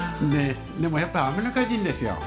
でも、やっぱアメリカ人ですよ。